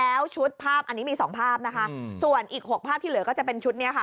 แล้วชุดภาพอันนี้มีสองภาพนะคะส่วนอีกหกภาพที่เหลือก็จะเป็นชุดนี้ค่ะ